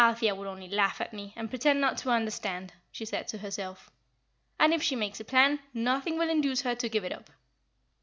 "Althea would only laugh at me, and pretend not to understand," she said to herself; "and if she makes a plan, nothing will induce her to give it up."